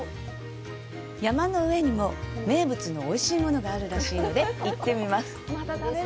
山の上にも、名物のおいしいものがあるらしいので行ってみます。